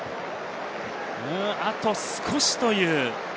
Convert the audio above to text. あと少しという。